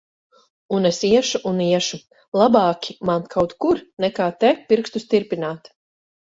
Un es iešu un iešu! Labāki man kaut kur, nekā te, pirkstus tirpināt.